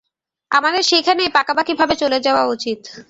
আমাদের সেখানেই পাকাপাকিভাবে চলে যাওয়া উচিত।